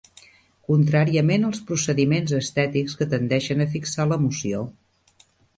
Contràriament als procediments estètics que tendeixen a fixar l'emoció.